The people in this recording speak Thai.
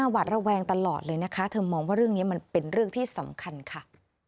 หวาดระแวงตลอดเลยนะคะเธอมองว่าเรื่องนี้มันเป็นเรื่องที่สำคัญค่ะ